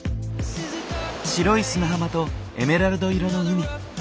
白い砂浜とエメラルド色の海。